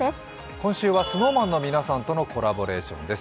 今週はＳｎｏｗＭａｎの皆さんとのコラボレーションです。